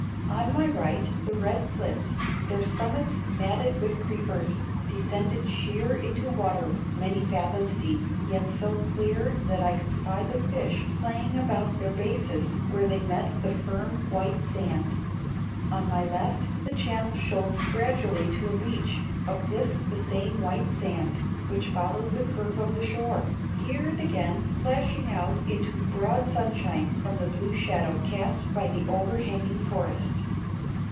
On my right the red cliffs, their summits matted with creepers, descended sheer into water many fathoms deep, yet so clear that I could spy the fish playing about their bases where they met the firm white sand. On my left the channel shoaled gradually to a beach of this same white sand, which followed the curve of the shore, here and again flashing out into broad sunshine from the blue shadow cast by the overhanging forest.